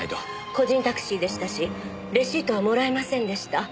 個人タクシーでしたしレシートはもらえませんでした。